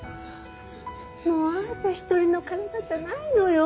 もうあなた一人の体じゃないのよ。